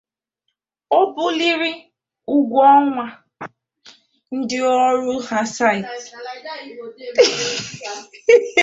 o buliri ụgwọ ọnwa ndị ọrụ ha site n'ịtụkwasara ha pasenti iri na ise